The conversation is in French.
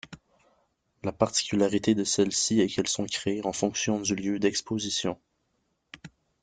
La particularité de celles-ci est qu'elles sont créées en fonction du lieu d'exposition.